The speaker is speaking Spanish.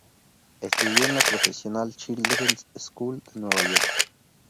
Estudió en la Professional Children's School de Nueva York